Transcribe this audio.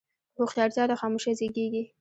هوښیارتیا له خاموشۍ زیږېږي.